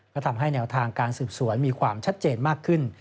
ก็ทำให้แนวทางการสืบสวนมีความชัดเจนมากขึ้น